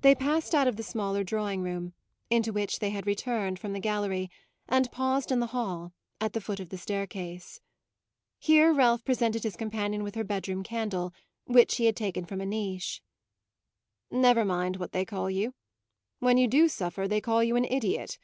They passed out of the smaller drawing room, into which they had returned from the gallery, and paused in the hall, at the foot of the staircase. Here Ralph presented his companion with her bedroom candle, which he had taken from a niche. "Never mind what they call you. When you do suffer they call you an idiot.